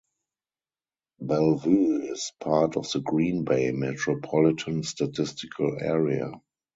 Bellevue is part of the Green Bay Metropolitan Statistical Area.